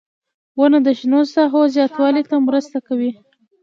• ونه د شنو ساحو زیاتوالي ته مرسته کوي.